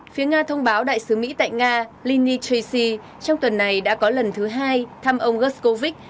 phía nga thông báo đại sứ mỹ tại nga lini tracy trong tuần này đã có lần thứ hai thăm ông gorshkovich